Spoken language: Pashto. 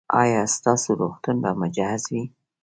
ایا ستاسو روغتون به مجهز وي؟